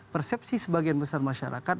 persepsi sebagian besar masyarakat